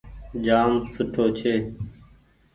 جآم سوٺو ڇي۔